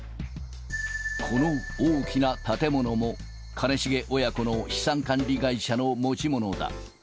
この大きな建物も兼重親子の資産管理会社の持ち物だ。